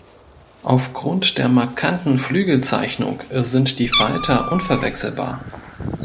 Aufgrund der markanten Flügelzeichnung sind die Falter unverwechselbar.